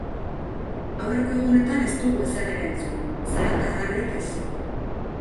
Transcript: Aurreko egunetan ez dugu ezer ere entzun, zarata arrarorik ez.